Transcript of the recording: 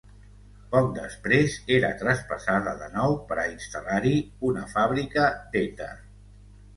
Poc després era traspassada de nou per a instal·lar-hi una fàbrica d'èter.